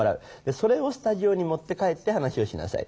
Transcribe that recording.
それをスタジオに持って帰って話をしなさい。